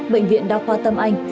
bệnh viện đa khoa tâm anh